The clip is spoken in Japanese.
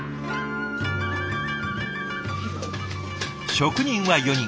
職人は４人。